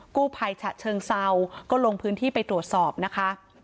กู้ภัยฉะเชิงเซาก็ลงพื้นที่ไปตรวจสอบนะคะ